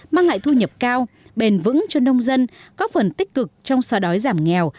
mang lại thu nhập cao bền vững cho nông dân có phần tích cực trong xóa đói giảm nghèo